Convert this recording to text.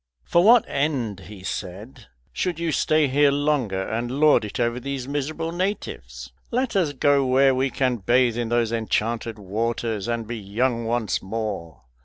"For what end," he said, "should you stay here longer and lord it over these miserable natives? Let us go where we can bathe in those enchanted waters and be young once more.